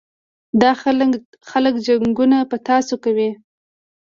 دا خلک جنګونه په تاسو کوي.